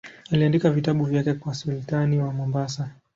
Aliandika vitabu vyake kwa sultani wa Mombasa.